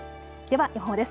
では予報です。